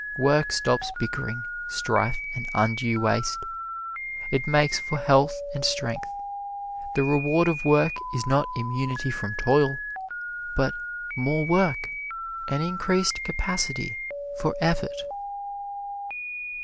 Work stops bickering, strife and undue waste. It makes for health and strength. The reward of work is not immunity from toil, but more work an increased capacity for effort.